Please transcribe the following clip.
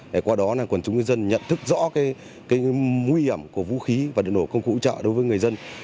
để qua đó quần chúng dân nhận thức rõ cái nguy hiểm của vũ khí vật lượng nổ công cụ hỗ trợ đối với người dân